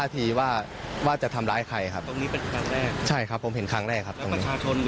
คนที่จ่ายไปมาเค้าตกใจไหมนี่